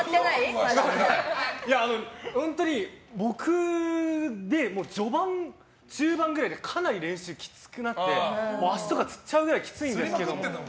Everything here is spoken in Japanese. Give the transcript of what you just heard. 本当に僕で序盤、中盤くらいからかなり練習がきつくなって足とかつっちゃうくらいつらいんですけど。